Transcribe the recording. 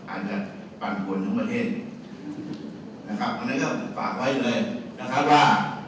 อาจจะปันผลถึงประเทศนะครับอันนั้นก็ฝากไว้เลยนะครับว่า